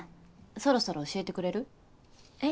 そろそろ教えてくれる？え？